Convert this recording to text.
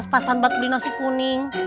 saya juga pas pas buat beli nasi kuning